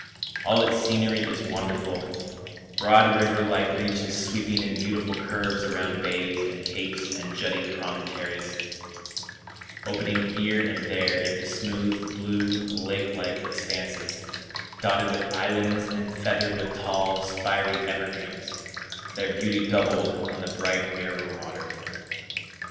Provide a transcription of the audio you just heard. All its scenery is wonderful—broad river like reaches sweeping in beautiful curves around bays and capes and jutting promontories, opening here and there into smooth, blue, lake like expanses dotted with islands and feathered with tall, spiry evergreens, their beauty doubled on the bright mirror water.